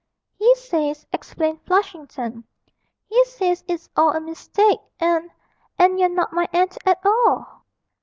'He says,' explained Flushington, 'he says it's all a mistake, and and you're not my aunt at all!'